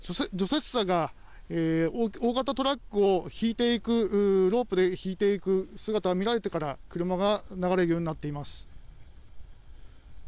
除雪車が大型トラックをロープで引いていく姿を見られてから車が流れるようになっています。